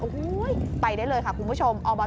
โอ้โหไปได้เลยค่ะคุณผู้ชม